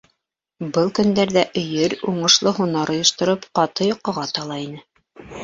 Был көндәрҙә өйөр, уңышлы һунар ойоштороп, ҡаты йоҡоға тала ине.